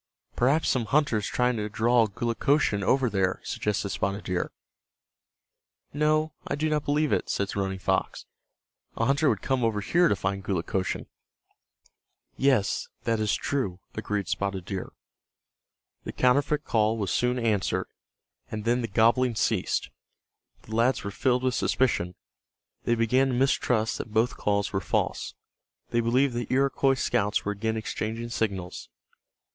"Perhaps some hunter is trying to draw Gulukochsun over there," suggested Spotted Deer. "No, I do not believe it," said Running Fox. "A hunter would come over here to find Gulukochsun." "Yes, that is true," agreed Spotted Deer. The counterfeit call was soon answered, and then the gobbling ceased. The lads were filled with suspicion. They began to mistrust that both calls were false. They believed that Iroquois scouts were again exchanging signals.